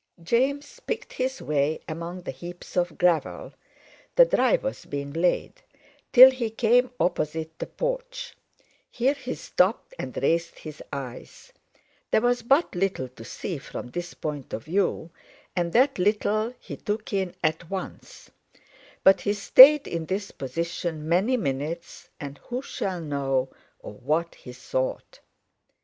James picked his way among the heaps of gravel—the drive was being laid—till he came opposite the porch. Here he stopped and raised his eyes. There was but little to see from this point of view, and that little he took in at once; but he stayed in this position many minutes, and who shall know of what he thought.